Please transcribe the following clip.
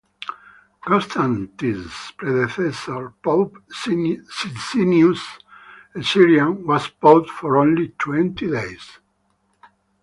Constantine's predecessor Pope Sisinnius, a Syrian, was pope for only twenty days.